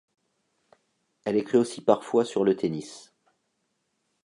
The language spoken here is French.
Elle écrit aussi parfois sur le tennis.